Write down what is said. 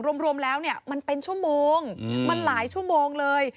รวมแล้วเนี่ยมันเป็นชั่วโมงมันหลายชั่วโมงเลย